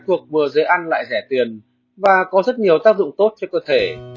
thuộc vừa dễ ăn lại rẻ tiền và có rất nhiều tác dụng tốt cho cơ thể